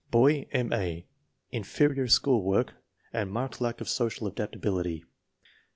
Boy: M. A. Inferior school work and marked lack of social adaptability.